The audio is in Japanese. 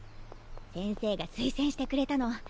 先生がすいせんしてくれたの。